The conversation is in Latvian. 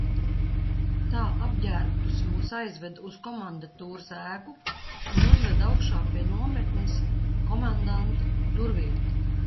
Tā apģērbtus mūs aizveda uz komandantūras ēku un uzveda augšā pie nometnes komandanta durvīm.